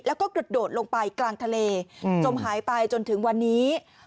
แล้วก็กระโดดลงไปกลางทะเลจมหายไปจนถึงวันนี้